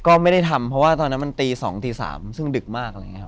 ก็ไม่ได้ทำเพราะว่าตอนนั้นมันตี๒ตี๓ซึ่งดึกมากอะไรอย่างนี้ครับ